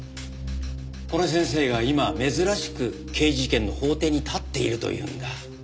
この先生が今珍しく刑事事件の法廷に立っているというんだ。